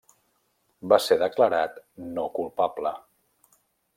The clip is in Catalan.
Va ser declarat no culpable.